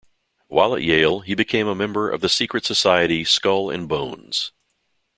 While at Yale he became a member of the secret society Skull and Bones.